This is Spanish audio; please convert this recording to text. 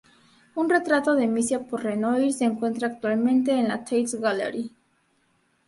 Un retrato de Misia por Renoir se encuentra actualmente en la Tate Gallery.